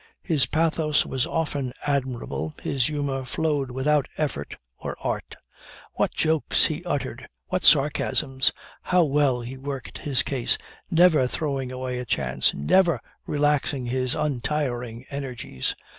His pathos was often admirable his humor flowed without effort or art. What jokes he uttered! what sarcasms! How well he worked his case, never throwing away a chance, never relaxing his untiring energies.